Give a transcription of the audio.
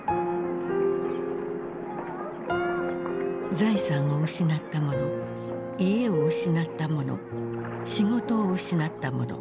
財産を失った者家を失った者仕事を失った者。